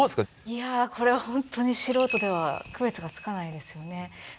いやこれはほんとに素人では区別がつかないですよね。